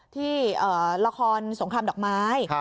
ที่ละครสงครามดอกไม้